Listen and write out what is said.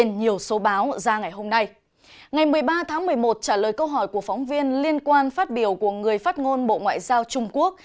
ngày một mươi ba tháng một mươi một trả lời câu hỏi của phóng viên liên quan phát biểu của người phát ngôn bộ ngoại giao trung quốc